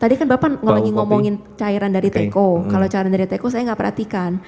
tadi kan bapak ngomongin cairan dari teko kalau cairan dari teko saya enggak perhatikan